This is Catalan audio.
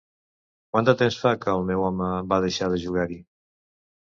Quant de temps fa que el meu home va deixar de jugar-hi?